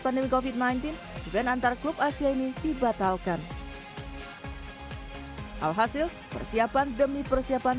pandemi kofit sembilan belas event antar klub asia ini dibatalkan alhasil persiapan demi persiapan